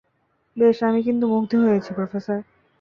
বেশ, আমি কিন্তু মুগ্ধ হয়েছি, প্রফেসর।